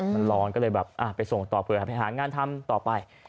มันร้อนก็เลยแบบไปส่งต่อเผื่อไปหางานทำต่อไป